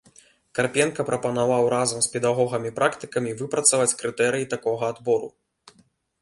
Карпенка прапанаваў разам з педагогамі-практыкамі выпрацаваць крытэрыі такога адбору.